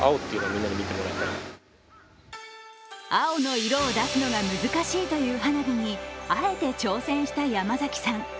青の色を出すのが難しいという花火にあえて挑戦した山崎さん。